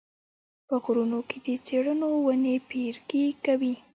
په غرونو کې د څېړو ونې پیرګي کوي